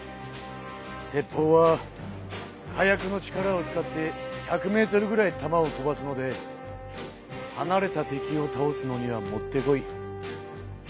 鉄砲は火薬の力を使って１００ｍぐらいたまを飛ばすのではなれた敵をたおすのにはもってこい。